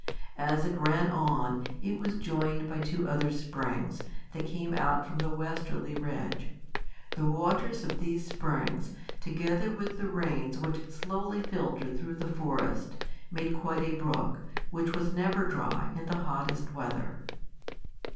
As it ran on, it was joined by two other springs, that came out from the westerly ridge. The waters of these springs, together with the rains which slowly filtered through the forest, made quite a brook, which was never dry in the hottest weather.